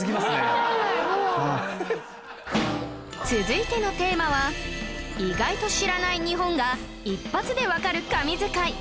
続いてのテーマは意外と知らない日本が一発でわかる神図解